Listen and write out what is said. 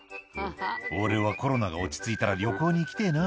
「俺はコロナが落ち着いたら旅行に行きてぇな」